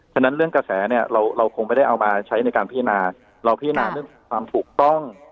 ฉะนั้นเรื่องกระแสเนี่ยเราคงไม่ได้เอามาใช้ในการพิจารณาเราพิจารณาเรื่องความถูกต้อง